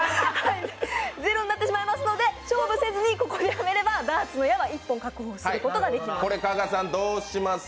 ゼロになってしまいますので勝負せずにここでやめればダーツの矢は１本確保することができます